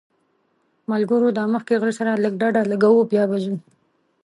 ملګرو دا مخکې غره سره لږ ډډه لګوو بیا به ځو.